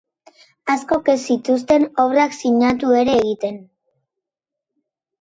Askok ez zituzten obrak sinatu ere egiten.